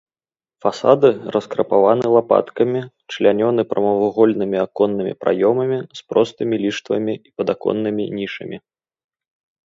Фасады раскрапаваны лапаткамі, члянёны прамавугольнымі аконнымі праёмамі з простымі ліштвамі і падаконнымі нішамі.